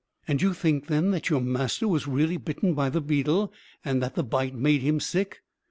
"And you think, then, that your master was really bitten by the beetle, and that the bite made him sick?"